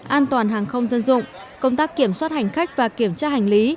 an toàn hàng không dân dụng công tác kiểm soát hành khách và kiểm tra hành lý